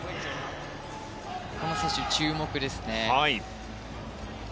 この選手、注目ですね。